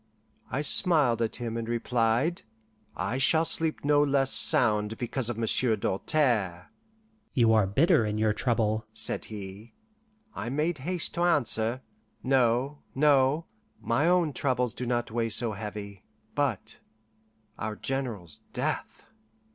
I smiled at him, and replied, "I shall sleep no less sound because of Monsieur Doltaire." "You are bitter in your trouble," said he. I made haste to answer, "No, no, my own troubles do not weigh so heavy but our General's death!"